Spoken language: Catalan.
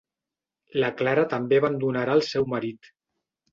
La Clara també abandonarà el seu marit.